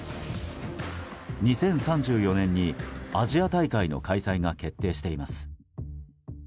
２０３４年にアジア大会の開催が決定しています。